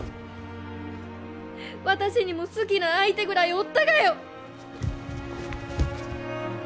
私にも好きな相手ぐらいおったがよ！